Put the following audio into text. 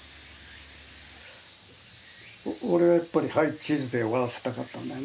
俺はやっぱり「はいチーズ」で終わらせたかったんだよね。